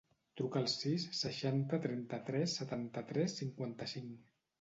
Truca al sis, seixanta, trenta-tres, setanta-tres, cinquanta-cinc.